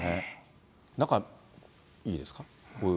中、いいですか？